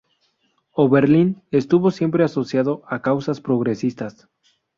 Oberlin estuvo siempre asociada a causas progresistas.